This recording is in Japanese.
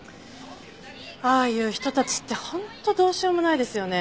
ああいう人たちって本当どうしようもないですよね。